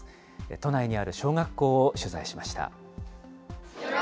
都内にある小学校を取材しました。